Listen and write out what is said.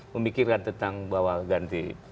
memikirkan tentang bahwa ganti